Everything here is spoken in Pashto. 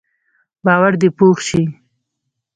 باور دې پوخ شي.